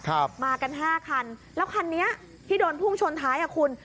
ครับมากัน๕คันแล้วคันนี้ที่โดนพุ่งชนท้ายคุณ